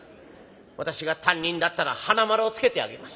私が担任だったらはなまるをつけてあげます。